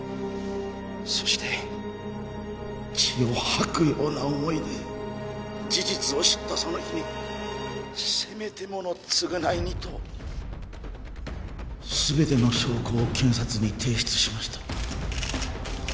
そして血を吐くような思いで事実を知ったその日にせめてもの償いにと全ての証拠を検察に提出しました。